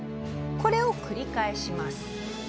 これを繰り返します。